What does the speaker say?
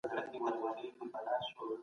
سیاست په ټولنه کې پرېکړې کوي.